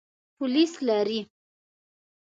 پولیس لري.